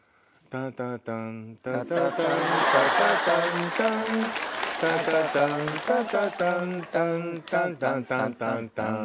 タタタンタタタンタタタンタン